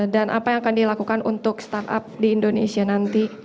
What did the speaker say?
dan apa yang akan dilakukan untuk startup di indonesia nanti